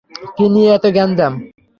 কী নিয়ে এতো গ্যাঞ্জাম?